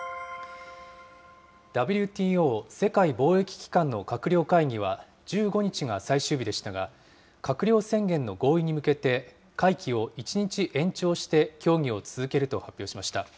ＷＴＯ・世界貿易機関の閣僚会議は、１５日が最終日でしたが、閣僚宣言の合意に向けて、会期を１日延長して協議を続けると発表しました。